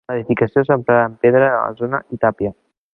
En l'edificació s'empraren pedra de la zona i tàpia.